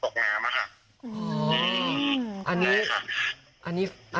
คือจุดที่ตกตกน้ำค่ะ